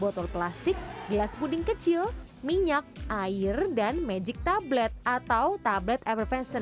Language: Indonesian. botol plastik bilas puding kecil minyak air dan magic tablet atau tablet ever fashion